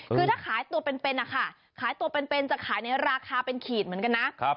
คือถ้าขายตัวเป็นนะคะขายตัวเป็นจะขายในราคาเป็นขีดเหมือนกันนะ